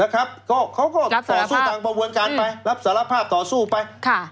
เขาก็ต่อสู้ตามกระบวนการไปรับสารภาพต่อสู้ไป